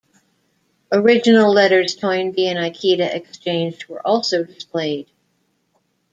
Original letters Toynbee and Ikeda exchanged were also displayed.